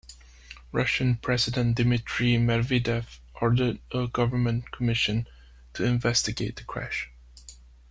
Russian President Dmitry Medvedev ordered a government commission to investigate the crash.